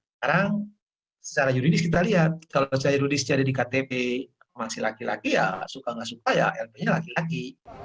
sekarang secara yuridis kita lihat kalau saya ludis jadi di ktp masih laki laki ya suka nggak suka ya lp nya laki laki